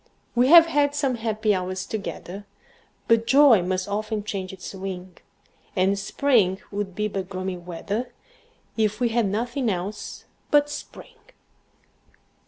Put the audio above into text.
We've had some happy hours together, But joy must often change its wing; And spring would be but gloomy weather, If we had nothing else but spring.